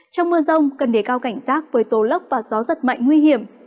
trong mưa rông cần để cao cảnh rác với tổ lốc và gió rất mạnh nguy hiểm